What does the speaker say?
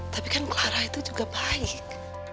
tapi kan clara itu juga baik